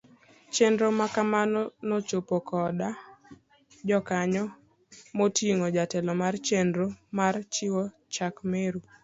Chenro makamano nochope koda jokanyo moting'o jatelo mar chnero mar chiwo chak Meru.